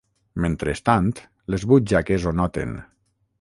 Mentrestant, les butxaques ho noten.